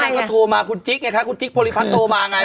แล้วก็โทรมากูจิ๊กนะพูดจิ๊กโภริพันธุ์โทรมาไง